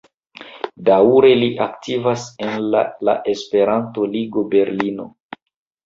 Daŭre li aktivas en la la Esperanto-Ligo Berlino.